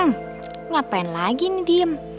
hmm ngapain lagi nih diem